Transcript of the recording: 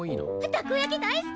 タコ焼き大好き！